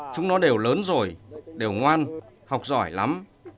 chúng nó đều lớn rồi đều ngoan học giỏi lắm